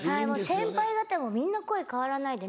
先輩方もみんな声変わらないでね。